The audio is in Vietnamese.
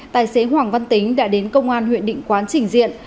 tài xế hoàng văn tính đã đến công an huyện định quán trình diện